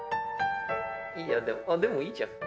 いやあっでもいいじゃん。